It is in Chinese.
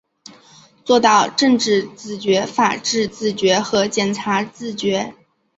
做到政治自觉、法治自觉和检察自觉